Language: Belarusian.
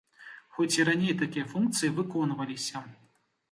Хоць і раней такія функцыя выконваліся.